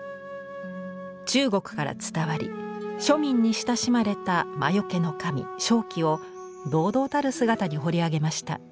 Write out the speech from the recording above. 中国から伝わり庶民に親しまれた魔よけの神鍾馗を堂々たる姿に彫り上げました。